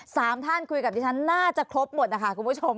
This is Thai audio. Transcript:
สามท่านคุยกับดิฉันน่าจะครบหมดนะคะคุณผู้ชม